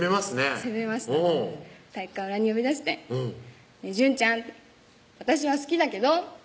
攻めました体育館裏に呼び出して「淳ちゃん私は好きだけど」